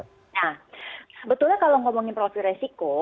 nah sebetulnya kalau ngomongin profil resiko